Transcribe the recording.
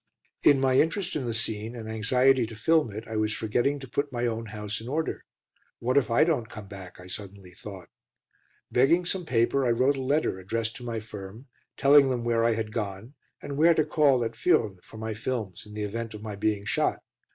In my interest in the scene and anxiety to film it, I was forgetting to put my own house in order. "What if I don't come back?" I suddenly thought. Begging some paper, I wrote a letter, addressed to my firm, telling them where I had gone, and where to call at Furnes for my films in the event of my being shot.